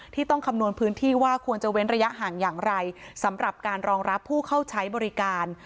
ต้องคำนวณพื้นที่ว่าควรจะเว้นระยะห่างอย่างไรสำหรับการรองรับผู้เข้าใช้บริการ